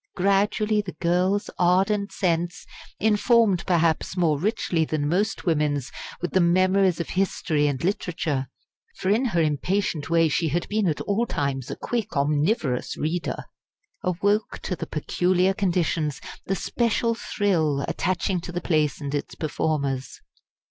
Gradually the girl's ardent sense informed, perhaps, more richly than most women's with the memories of history and literature, for in her impatient way she had been at all times a quick, omnivorous reader awoke to the peculiar conditions, the special thrill, attaching to the place and its performers.